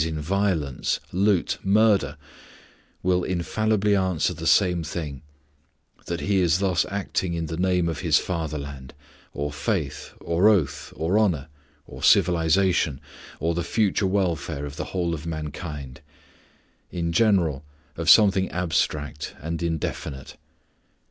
_ in violence, loot, murder, will infallibly answer the same thing, that he is thus acting in the name of his fatherland, or faith, or oath, or honor, or civilization, or the future welfare of the whole of mankind in general, of something abstract and indefinite.